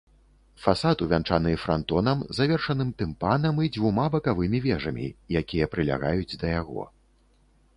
Фасад увянчаны франтонам, завершаным тымпанам і дзвюма бакавымі вежамі, якія прылягаюць да яго.